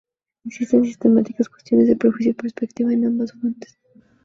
Existen sistemáticas cuestiones de prejuicio y perspectiva en ambas fuentes.